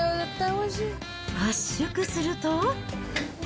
圧縮すると。